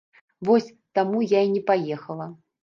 Вось, таму я і не паехала.